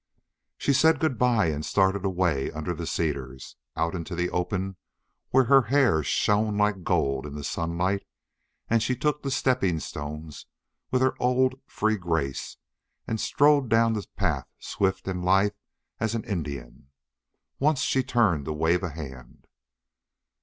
She said good by and started away under the cedars, out into the open where her hair shone like gold in the sunlight, and she took the stepping stones with her old free grace, and strode down the path swift and lithe as an Indian. Once she turned to wave a hand.